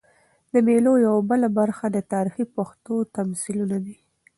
د مېلو یوه بله برخه د تاریخي پېښو تمثیلونه دي.